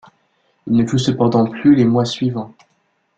Il ne joue cependant plus les mois suivants.